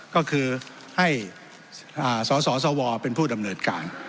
ก็คือให้สสวเป็นผู้ดำเนินการ